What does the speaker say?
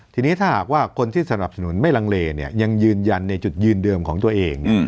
ทีนี้ถ้าหากว่าคนที่สนับสนุนไม่ลังเลยังยืนยันในจุดยืนเดิมของตัวเอง